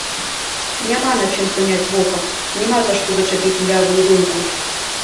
Няма на чым суняць вока, няма за што зачапіць млявую думку.